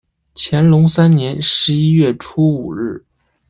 乾隆三年十一月初五日。